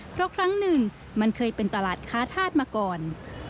เพราะครั้งหนึ่งมันเคยเป็นตลาดค้าธาตุมาก่อน